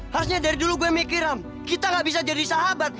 harusnya dari dulu gue mikiram kita gak bisa jadi sahabat